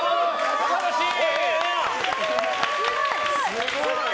すばらしい！